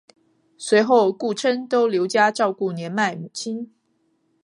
随后顾琛都留家照顾年迈母亲。